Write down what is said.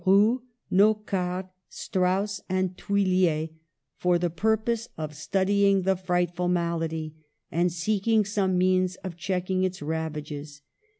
Roux, Nocard, Strauss and Thuillier, for the purpose of studying the frightful malady and seeking some means of checking its ravages.